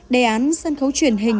đề án sân khấu truyền hình